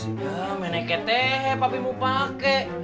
ya menekete papi mau pake